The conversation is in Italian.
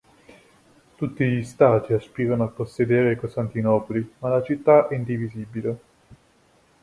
Tutti gli stati aspirano a possedere Costantinopoli ma la città è indivisibile.